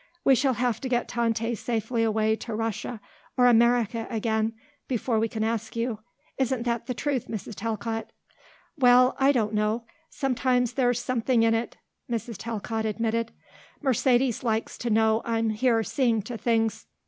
We shall have to get Tante safely away to Russia, or America again, before we can ask you; isn't that the truth, Mrs. Talcott?" "Well, I don't know. Perhaps there's something in it," Mrs. Talcott admitted. "Mercedes likes to know I'm here seeing to things.